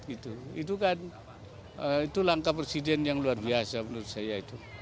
itu kan itu langkah presiden yang luar biasa menurut saya itu